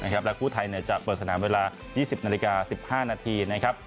และคู่ไทยจะเปิดสนามเวลา๒๐นาฬิกา๑๕นาทีนะครับ